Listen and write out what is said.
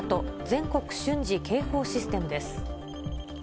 ・全国瞬時警報システムです。